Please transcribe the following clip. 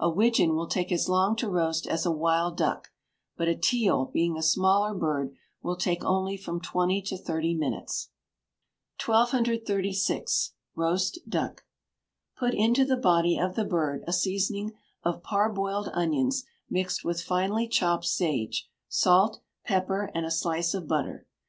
A widgeon will take as long to roast as a wild duck, but a teal, being a smaller bird, will take only from twenty to thirty minutes. 1236. Roast Duck. Put into the body of the bird a seasoning of parboiled onions mixed with finely chopped sage, salt, pepper, and a slice of butter.